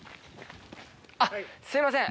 あっすいません。